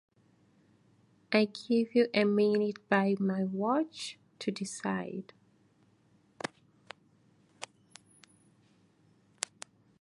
I give you a minute by my watch to decide.